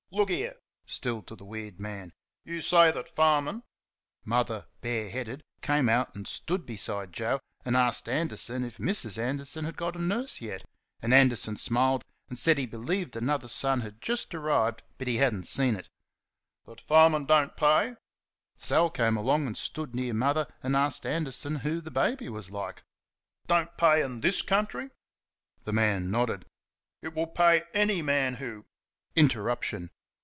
Look here!" (still to the weird man), "you say that farming" (Mother, bare headed, came out and stood beside Joe, and asked Anderson if Mrs. Anderson had got a nurse yet, and Anderson smiled and said he believed another son had just arrived, but he had n't seen it) "that farming don't pay" (Sal came along and stood near Mother and asked Anderson who the baby was like) "don't pay in this country?" The man nodded. "It will pay any man who " Interruption.